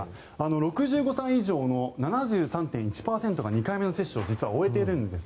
６５歳以上の７３．１％が２回目の接種を終えているんです。